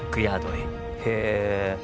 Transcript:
へえ。